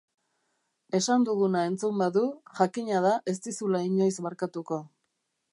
Esan duguna entzun badu, jakina da ez dizula inoiz barkatuko.